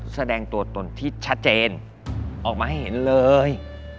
แสดงตัวตนที่ชัดเจนออกมาให้เห็นเลย